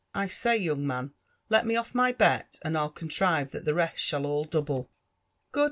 " I say, young man, let me off my bet, and I'll contrive that the rest shall all double.'' Good